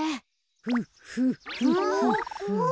フッフッフッフッフ。